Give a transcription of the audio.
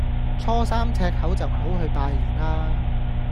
初三赤口就唔好去拜年啦